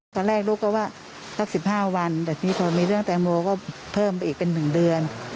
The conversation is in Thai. ตอนแรกลูกก็ว่าสัก๑๕วันแต่ทีนี้พอมีเรื่องแตงโมก็เพิ่มไปอีกเป็น๑เดือน